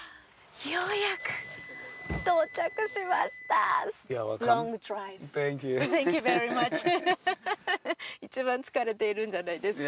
ようやく到着しました一番疲れているんじゃないですか？